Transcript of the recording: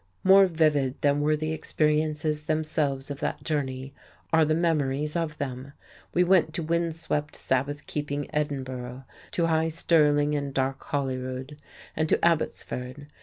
More vivid than were the experiences themselves of that journey are the memories of them. We went to windswept, Sabbath keeping Edinburgh, to high Stirling and dark Holyrood, and to Abbotsford.